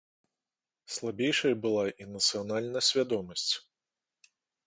Слабейшая была і нацыянальна свядомасць.